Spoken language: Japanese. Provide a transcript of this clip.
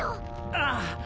ああ。